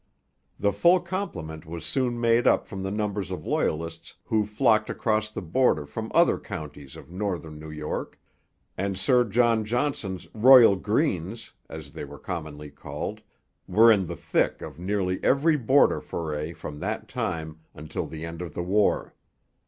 The full complement was soon made up from the numbers of Loyalists who flocked across the border from other counties of northern New York; and Sir John Johnson's 'Royal Greens,' as they were commonly called, were in the thick of nearly every border foray from that time until the end of the war.